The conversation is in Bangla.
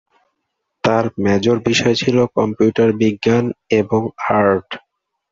তার মেজর বিষয় ছিলো কম্পিউটার বিজ্ঞান এবং আর্ট।